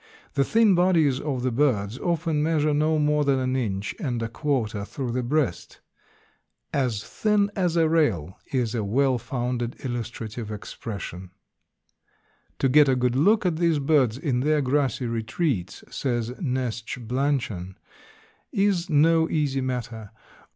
The thin bodies of the birds often measure no more than an inch and a quarter through the breast. "As thin as a rail" is a well founded illustrative expression. "To get a good look at these birds in their grassy retreats," says Neltje Blanchan, "is no easy matter.